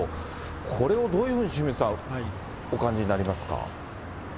これをどういうふうに、清水さん、お感じになりますか。